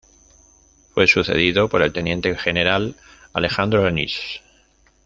Fue sucedido por el teniente general Alejandro Lanusse.